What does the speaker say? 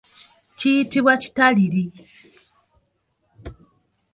Kiyitibwa kitaliri.